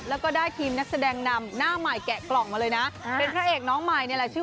แล้วก็ได้ทีมนักแสดงนำหน้าใหม่แกะกล่องมาเลยนะ